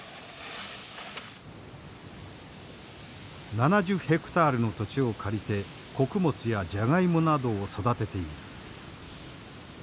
７０ヘクタールの土地を借りて穀物やジャガイモなどを育てている。